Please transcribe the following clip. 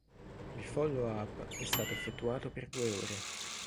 Il follow-up è stato effettuato per due ore.